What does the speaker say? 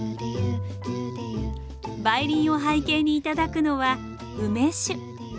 梅林を背景に頂くのは梅酒。